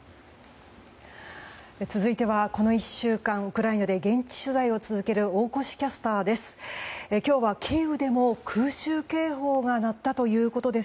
続いてはこの１週間、ウクライナで現地取材を続ける大越キャスターです。